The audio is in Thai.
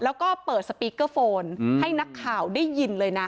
แล้วก็เปิดสปีกเกอร์โฟนให้นักข่าวได้ยินเลยนะ